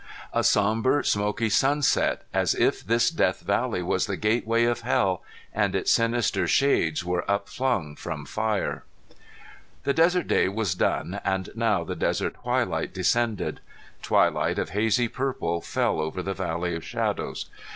A sombre smoky sunset, as if this Death Valley was the gateway of hell, and its sinister shades were upflung from fire. The desert day was done and now the desert twilight descended. Twilight of hazy purple fell over the valley of shadows.